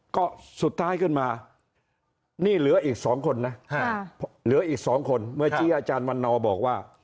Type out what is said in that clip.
ก็สุดท้ายขึ้นมานี่เหลืออีก๒คนนะเหลืออีก๒คนเมื่อกี้อาจารย์วันนอบอกว่า